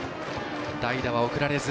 代打は送られず。